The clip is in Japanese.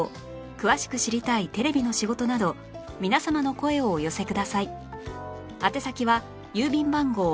詳しく知りたいテレビの仕事など皆様の声をお寄せください